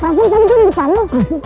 kakun kau ini kan di depan lu